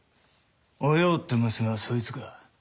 おようって娘はそいつか？